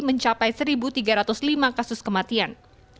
mencapai satu tiga ratus lima kasus kematian